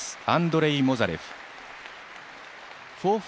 アンドレイ・モザレフ。